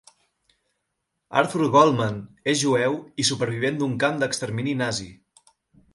Arthur Goldman és jueu i supervivent d'un camp d'extermini nazi.